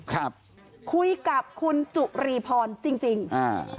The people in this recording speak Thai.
ครับคุยกับคุณจุรีพรจริงจริงอ่า